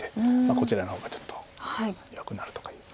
こちらの方がちょっと弱くなるとかいう。